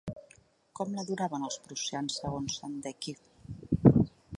Com l'adoraven els prussians, segons Sandecki?